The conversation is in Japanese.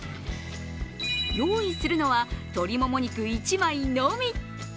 用意するのは、鶏もも肉１枚のみ。